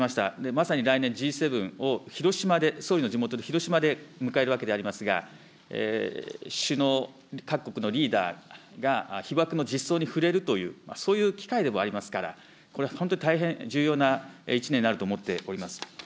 まさに来年、Ｇ７を広島で、総理の地元で、広島で迎えるわけでありますが、首脳、各国のリーダーが被爆の実相に触れるという、そういう機会でもありますから、これは本当に大変重要な一年になると思っております。